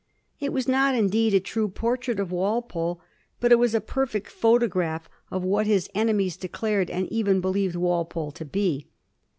It was not indeed a true portrait of Walpole, but it was a perfect photograph of what his enemies declared and even believed Walpole to be.